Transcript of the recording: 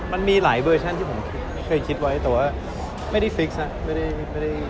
มันมีหลายเวอร์ชันที่ผมเคยคิดไว้แต่ไม่ได้ติดภาพในทั้งสิ้น